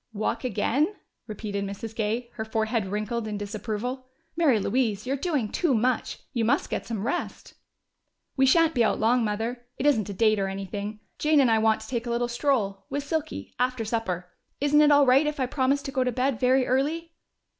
"Walk again?" repeated Mrs. Gay, her forehead wrinkled in disapproval. "Mary Louise, you're doing too much! You must get some rest!" "We shan't be out long, Mother. It isn't a date or anything. Jane and I want to take a little stroll, with Silky, after supper. Isn't it all right if I promise to go to bed very early?"